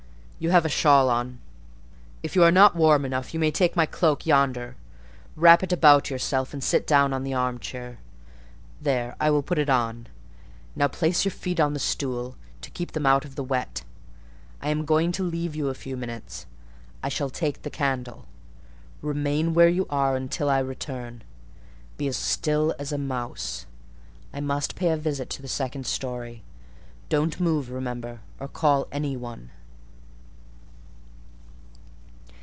You have a shawl on. If you are not warm enough, you may take my cloak yonder; wrap it about you, and sit down in the arm chair: there,—I will put it on. Now place your feet on the stool, to keep them out of the wet. I am going to leave you a few minutes. I shall take the candle. Remain where you are till I return; be as still as a mouse. I must pay a visit to the second storey. Don't move, remember, or call any one."